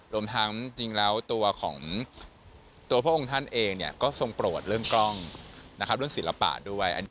รวมทั้งจริงแล้วตัวพระองค์ท่านเองก็ทรงโปรดเรื่องกล้องเรื่องศิลปะด้วย